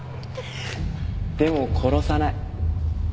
でも殺さない。